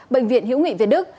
bệnh viện hiễu nghị việt đức